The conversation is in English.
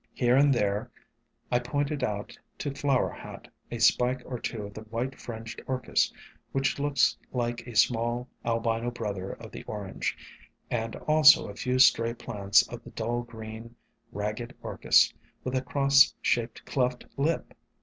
Here and there I pointed out to Flower Hat a spike or two of the White Fringed Orchis, which looks like a small al bino brother of the Orange, and also a few stray plants of the dull green Ragged Orchis, with a cross shaped cleft lip.